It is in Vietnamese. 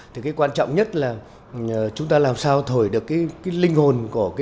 thì cái quan trọng nhất là chúng ta làm sao thổi được cái linh hồn